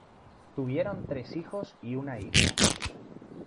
Tuvieron tres hijos y una hija.